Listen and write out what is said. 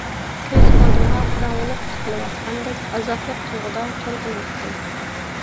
كۆز ئالدىمغا قاراڭغۇلۇق تىقىلىۋاتقاندەك ئازابلىق تۇيغۇدا تولغىناتتىم.